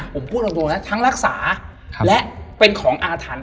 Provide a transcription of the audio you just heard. ผมพูดตรงนะทั้งรักษาและเป็นของอาถรรพ์